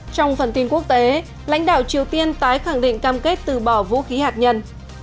trong phần tin quốc tế lãnh đạo triều tiên tái khẳng định cam kết từ bỏ vũ khí hạt nhân